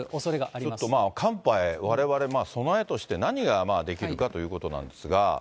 ちょっとまあ、寒波へわれわれ、備えとして何ができるかということなんですが。